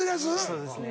そうですね。